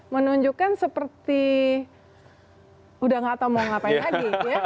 menunjukkan seperti udah enggak tahu mau ngapain lagi